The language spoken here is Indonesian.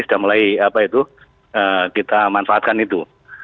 sudah mulai kita manfaatkan itu